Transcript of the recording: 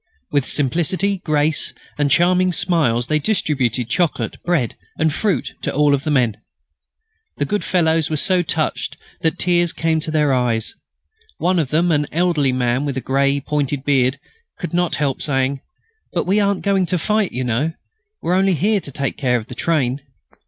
With simplicity, grace, and charming smiles they distributed chocolate, bread, and fruit to all the men. The good fellows were so touched that tears came to their eyes. One of them, an elderly man with a small grey pointed beard, could not help saying: "But we aren't going to fight, you know. We are only here to take care of the train."